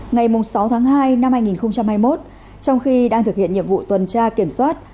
ngày sáu tháng hai năm hai nghìn hai mươi một trong khi đang thực hiện nhiệm vụ tuần tra kiểm soát